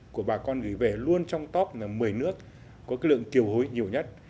của bà con gửi về luôn trong top một mươi nước có cái lượng kiều hối nhiều nhất